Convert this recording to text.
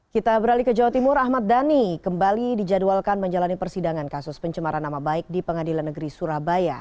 kita beralih ke jawa timur ahmad dhani kembali dijadwalkan menjalani persidangan kasus pencemaran nama baik di pengadilan negeri surabaya